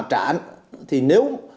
trả thì nếu